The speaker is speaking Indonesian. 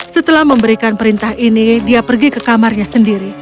setelah memberikan perintah ini dia pergi ke kamarnya sendiri